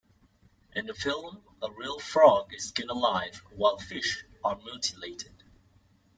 In the film, a real frog is skinned alive while fish are mutilated.